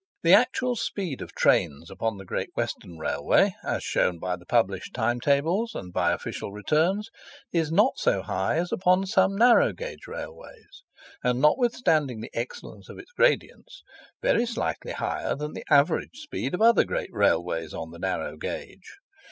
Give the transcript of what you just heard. The actual speed of trains upon the Great Western Railway, as shown by the published time tables, and by official returns, is not so high as upon some narrow gauge Railways, and notwithstanding the excellence of its gradients, very slightly higher than the average speed of other great Railways on the narrow gauge.